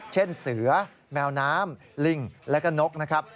เช่นเสือแมวน้ำลิงแล้วก็นกนะครับ